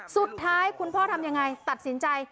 สุดท้ายคุณพ่อทำยังไงตัดสินใจ